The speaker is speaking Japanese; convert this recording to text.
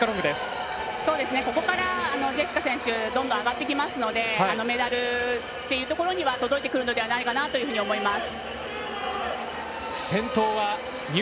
ここからジェシカ選手どんどん上がってきますのでメダルっていうところには届いてくるかなと思います。